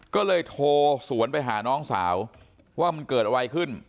ก็เลยโทรสวนไปหาน้องสาวว่ามันเกิดอะไรขึ้น